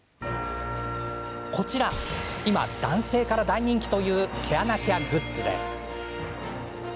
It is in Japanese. こちらが今男性からも大人気という毛穴ケアグッズ。